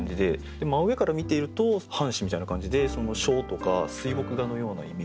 で真上から見ていると半紙みたいな感じで書とか水墨画のようなイメージ。